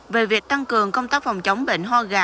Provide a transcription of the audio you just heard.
về việc tăng cường công tác phòng chống bệnh ho gà